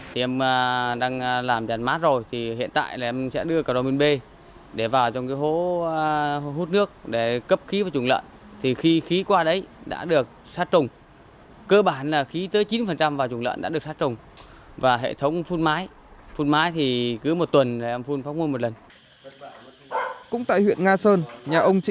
cũng tại huyện nga sơn nhà ông trịnh văn cường đã phát triển nguồn lợn châu phi